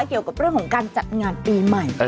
เกี่ยวกับเรื่องของการจัดงานปีใหม่